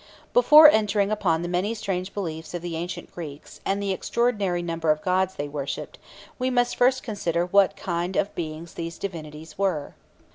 Before entering upon the many strange beliefs of the ancient Greeks, and the extraordinary number of gods they worshipped, we must first consider what kind of beings these divinities were.